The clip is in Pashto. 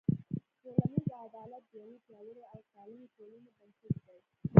ټولنیز عدالت د یوې پیاوړې او سالمې ټولنې بنسټ دی.